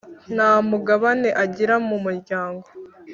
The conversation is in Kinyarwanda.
nta mugabane agira mu muryango,